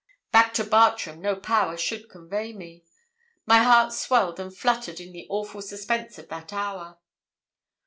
Back to Bartram no power should convey me. My heart swelled and fluttered in the awful suspense of that hour.